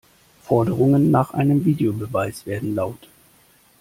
Forderungen nach einem Videobeweis werden laut.